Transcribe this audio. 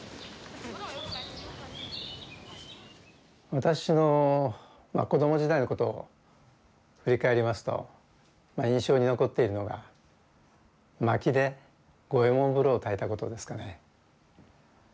私の子ども時代のことを振り返りますと印象に残っているのが薪で五右衛門風呂をたいたことですかね。